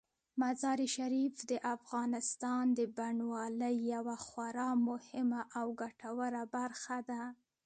مزارشریف د افغانستان د بڼوالۍ یوه خورا مهمه او ګټوره برخه ده.